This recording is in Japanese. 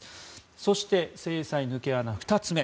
そして、制裁抜け穴２つ目。